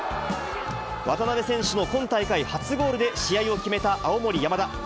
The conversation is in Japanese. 渡邊選手の今大会初ゴールで、試合を決めた青森山田。